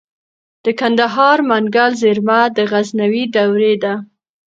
د کندهار منگل زیرمه د غزنوي دورې ده